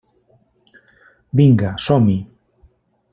Vinga, som-hi!